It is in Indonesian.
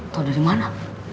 tau dari mana